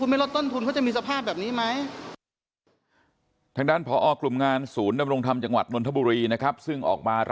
ก็คุณประมาทคุณลดต้นทุนเอง